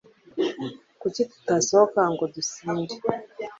Kuki tutasohoka ngo dusinde